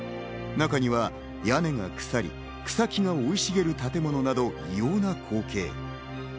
中には屋根が腐り、草木が生い茂る建物など、異様な光景。